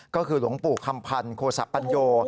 ก็คือหลวงปู่คำพันธ์โคสะปัญโย